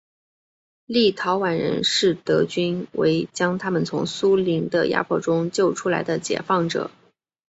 立陶宛人视德军为将他们从苏联的压迫中救出来的解放者。